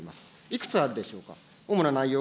いくつあるでしょうか。